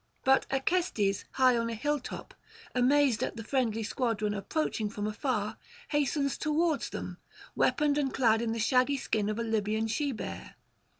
But Acestes high on a hill top, amazed at the friendly squadron approaching from afar, hastens towards them, weaponed and clad in the shaggy skin of a Libyan she bear.